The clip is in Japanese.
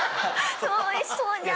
そうしそうじゃん。